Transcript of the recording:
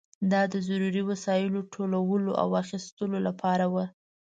دا د ضروري وسایلو ټولولو او اخیستلو لپاره وه.